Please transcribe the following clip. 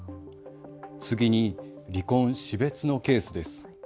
次に離婚・死別のケースです。